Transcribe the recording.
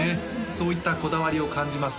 そういったこだわりを感じます